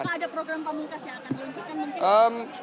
apakah ada program pamungkas yang akan diluncurkan mungkin